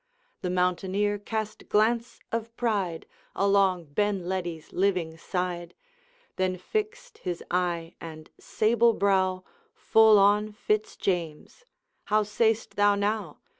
The Mountaineer cast glance of pride Along Benledi's living side, Then fixed his eye and sable brow Full on Fitz James: 'How say'st thou now?